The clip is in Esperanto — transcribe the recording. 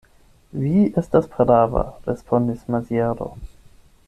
Vi estas prava, respondis Maziero.